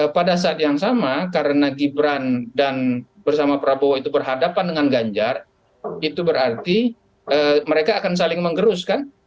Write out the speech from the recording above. pada saat yang sama karena gibran dan bersama prabowo itu berhadapan dengan ganjar itu berarti mereka akan saling menggerus kan